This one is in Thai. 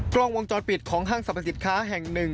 กล้องวงจรปิดของห้างสรรพสินค้าแห่งหนึ่ง